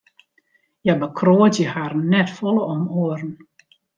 Hja bekroadzje harren net folle om oaren.